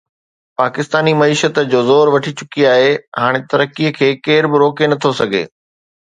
پاڪستاني معيشت جو زور وٺي چڪي آهي هاڻي ترقي کي ڪير به روڪي نٿو سگهي